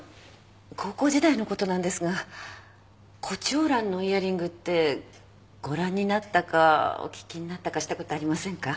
高校時代のことなんですがコチョウランのイヤリングってご覧になったかお聞きになったかしたことありませんか？